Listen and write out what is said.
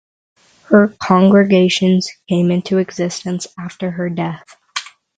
Her congregations came into existence after her death.